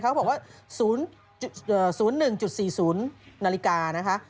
เขาบอกว่า๐๑๔๐นาฬิกานะคะ